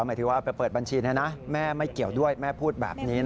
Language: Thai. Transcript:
หมายถึงว่าเอาไปเปิดบัญชีแม่ไม่เกี่ยวด้วยแม่พูดแบบนี้